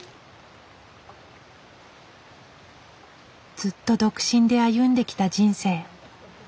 ずっと独身で歩んできた人生。